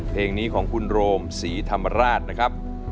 เพลงนี้ของคุณโรมศรีธรรมราชนะครับ